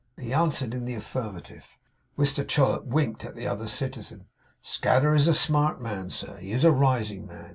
He answered in the affirmative. Mr Chollop winked at the other citizen. 'Scadder is a smart man, sir? He is a rising man?